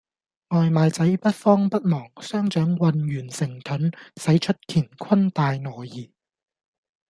外賣仔不慌不忙，雙掌渾圓成盾，使出乾坤大挪移